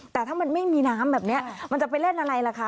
แต่ถ้ามันไม่มีน้ำแบบนี้มันจะไปเล่นอะไรล่ะคะ